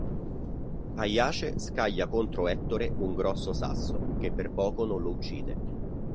Aiace scaglia contro Ettore un grosso sasso, che per poco non lo uccide.